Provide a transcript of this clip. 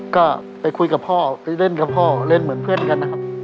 ก็ไปคุยกับพ่อไปเล่นกับพ่อเล่นเหมือนเพื่อนกันนะครับ